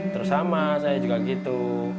terus sama saya juga gitu